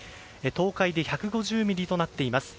東海で１５０ミリとなっています。